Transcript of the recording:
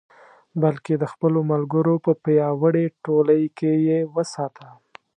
بلکې د خپلو ملګرو په پیاوړې ټولۍ کې یې وساته.